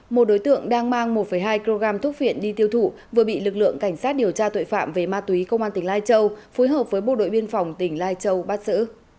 một đối tượng đang mang một hai kg thuốc viện đi tiêu thụ vừa bị lực lượng cảnh sát điều tra tội phạm về ma túy công an tỉnh lai châu phối hợp với bộ đội biên phòng tỉnh lai châu bắt giữ